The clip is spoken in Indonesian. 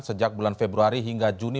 sejak bulan februari hingga juni